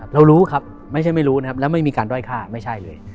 รู้ครับไม่ใช่ไม่รู้นะครับแล้วไม่มีการด้อยฆ่าไม่ใช่เลย